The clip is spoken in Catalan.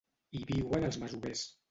Hi viuen els masovers.